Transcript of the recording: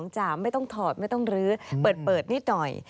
จะไม่ต้องถอดไม่ต้องลื้อเปิดนิดหน่อย